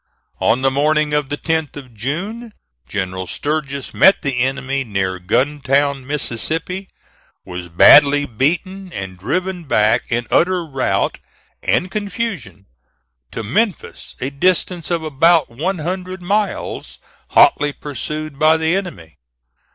On the morning of the 10th of June, General Sturgis met the enemy near Guntown, Mississippi, was badly beaten, and driven back in utter rout and confusion to Memphis, a distance of about one hundred miles, hotly pursued by the enemy.